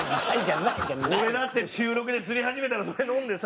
俺だって収録でつり始めたらそれ飲んでさ。